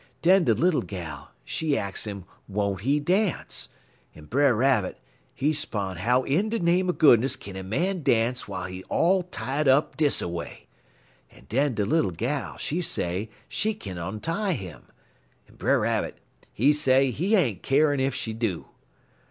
Den de Little Gal, she ax' im won't he dance, en Brer Rabbit, he 'spon' how in de name er goodness kin a man dance w'iles he all tie up dis a way, en den de Little Gal, she say she kin ontie 'im, en Brer Rabbit, he say he ain't keerin' ef she do.